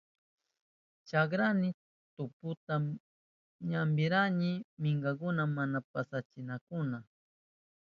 Chakrayni tuputa ñampishkani minkakuna mana pasanankunapa.